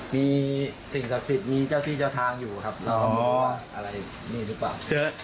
มีสิ่งศักดิ์สิทธิ์มีเจ้าที่เจ้าทางอยู่ครับอ๋ออะไรนี่หรือเปล่า